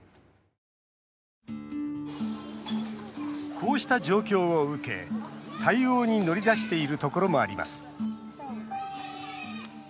こうした状況を受け、対応に乗り出しているところもあります。